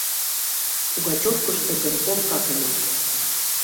— Пугачевкышто гын полкак ыле.